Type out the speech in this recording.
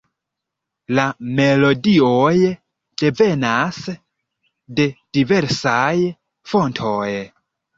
La melodioj devenas de diversaj fontoj.